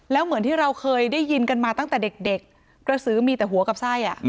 แล้วเหมือนที่เราเคยได้ยินกันมาตั้งแต่เด็กกระสือมีแต่หัวกับไส้